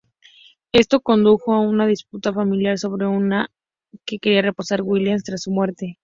Esto condujo a una disputa familiar sobre cómo quería reposar Williams tras su muerte.